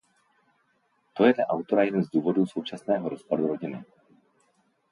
To je dle autora jeden z důvodů současného rozpadu rodiny.